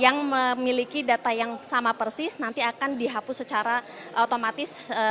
yang memiliki data yang sama persis nanti akan dihapus secara otomatis